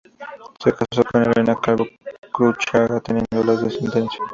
Se casó con Elena Calvo Cruchaga, teniendo descendencia.